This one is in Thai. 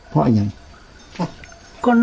พ่อไง